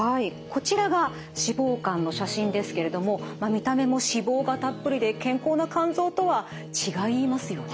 こちらが脂肪肝の写真ですけれども見た目も脂肪がたっぷりで健康な肝臓とは違いますよね。